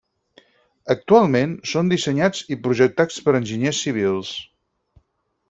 Actualment, són dissenyats i projectats per enginyers civils.